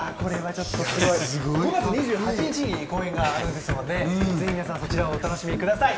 ５月２８日に公演があるそうで、ぜひ皆さんそちらをお楽しみください。